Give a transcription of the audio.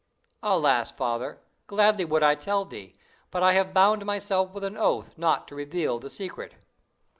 "Alas, Father, gladly would I tell thee, but I have bound myself with an oath not to reveal the secret."